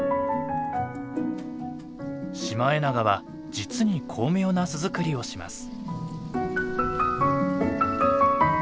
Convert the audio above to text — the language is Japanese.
シマエナガは実に巧妙な巣作りをします。